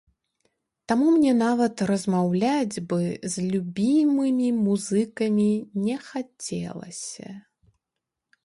Таму мне нават размаўляць бы з любімымі музыкамі не хацелася.